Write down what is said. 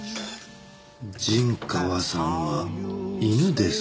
陣川さんは犬ですか？